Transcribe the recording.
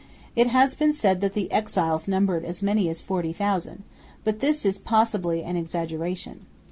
It has been said that the exiles numbered as many as 40,000, but this is possibly an exaggeration.